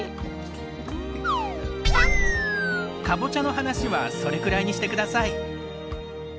かぼちゃの話はそれくらいにして下さい。